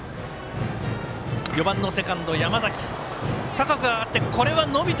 ４番、セカンド山崎。